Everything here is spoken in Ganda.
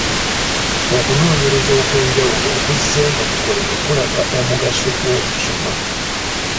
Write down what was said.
Okunoonyereza okw’enjawulo okuzzenga kukolebwa kulaga omugaso gw’okusoma.